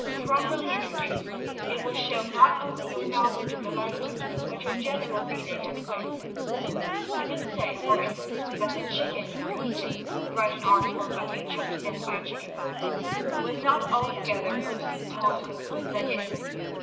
Properly introduced, will show not only your knowledge of the language, but your general reading and wit. You can say, for instance, that the chicken you were eating (write an article about being choked to death by a chicken bone) was not altogether aussi tendre que Zaire.